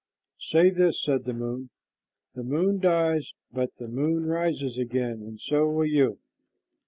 "Say this," said the moon: "'The moon dies, but the moon rises again, and so will you.'"